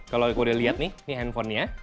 kalau udah lihat nih ini handphonenya